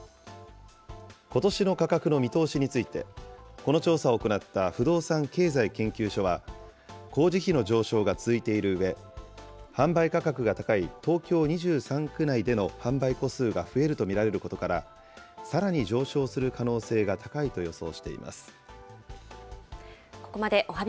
ことしの価格の見通しについて、この調査を行った不動産経済研究所は、工事費の上昇が続いているうえ、販売価格が高い東京２３区内での販売戸数が増えると見られることから、さらに上昇する可能性が高いと予想しています。